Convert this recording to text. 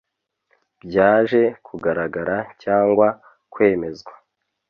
byaje kugaragara cyangwa kwemezwa